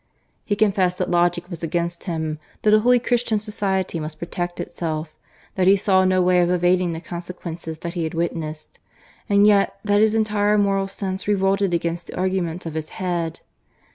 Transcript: He confessed that logic was against him, that a wholly Christian society must protect itself, that he saw no way of evading the consequences that he had witnessed; and yet that his entire moral sense revolted against the arguments of his head.